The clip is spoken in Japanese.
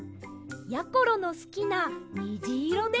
やころのすきなにじいろです。